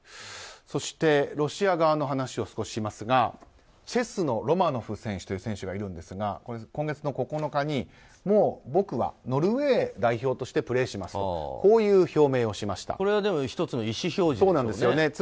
そしてロシア側の話をしますがチェスのロマノフ選手という選手がいるんですが今月９日に僕はノルウェー代表としてプレーしますとこれは１つの意思表示ですね。